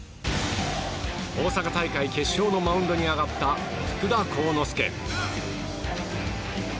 大阪大会決勝のマウンドに上がった福田幸之介。